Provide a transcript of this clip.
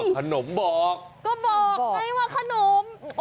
ก็บอกไงว่าขนม